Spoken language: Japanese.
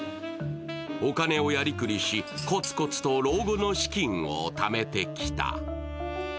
お金をやりくりし、こつこつと老後の資金をためてきた。